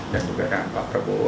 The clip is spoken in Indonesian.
dan juga dengan pak prabowo